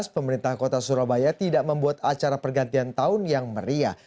pemerintah kota surabaya tidak membuat acara pergantian tahun yang meriah